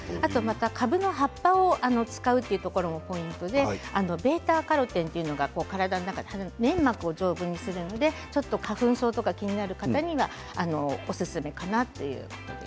かぶの葉っぱを使うというところもポイントでβ−カロテンというのが体の中粘膜を丈夫にするので花粉症とか気になる方にはおすすめかなと。